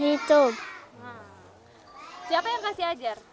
apakah ini berarti mereka bisa belajar